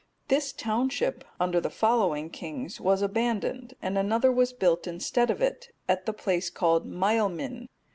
This township, under the following kings, was abandoned, and another was built instead of it, at the place called Maelmin.